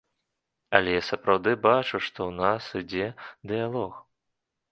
Але я сапраўды бачу, што ў нас ідзе дыялог.